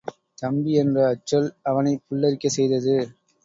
தம்பி என்ற அச்சொல் அவனைப் புல்லரிக்கச் செய்தது.